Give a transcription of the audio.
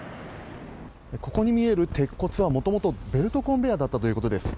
ここに見える鉄骨は、もともとベルトコンベアだったということです。